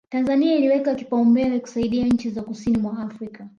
Tanzania iliweka kipaumbele kusaidia nchi za kusini mwa Afrika